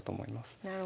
なるほど。